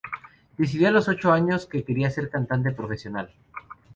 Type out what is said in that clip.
Decidió a los ocho años que quería ser cantante profesional.